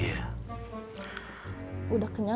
terima kasih tuan salesnya